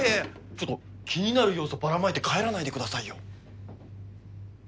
ちょっと気になる要素ばらまいて帰らないでくださいよ。